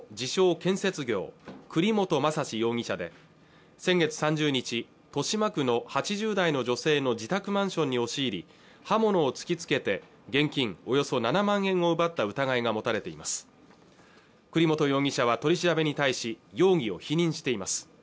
建設業栗本昌史容疑者で先月３０日豊島区の８０代の女性の自宅マンションに押し入り刃物を突きつけて現金およそ７万円を奪った疑いが持たれています栗本容疑者は取り調べに対し容疑を否認しています